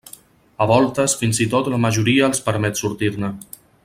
A voltes fins i tot la majoria els permet sortir-ne.